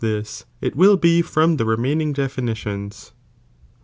"' thisf it will bo from the remaining definitions.'